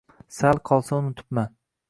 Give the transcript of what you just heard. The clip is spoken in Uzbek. Sal qolsa unutibman